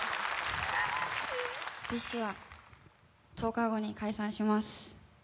ＢｉＳＨは１０日後に解散します。